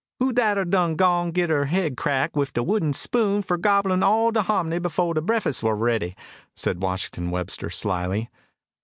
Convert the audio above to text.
"Who dat ar done gone git her head cracked wiff de wooden spoon fur gobblin' all de hom'ny befo' de breakfuss war ready?" said Washington Webster, slyly.